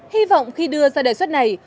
hy vọng khi đưa ra đề xuất này